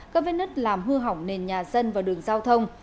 các vết nứt làm hư hỏng nền nhà dân và đường giao thông